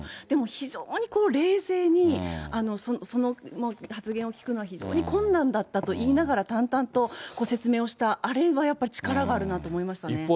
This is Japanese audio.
でも非常に冷静にその発言を聞くのは非常に困難だったと言いながら、淡々と説明をした、あれはやっぱり力があるなと思いましたね。